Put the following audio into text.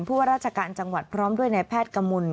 ว่าราชการจังหวัดพร้อมด้วยนายแพทย์กมล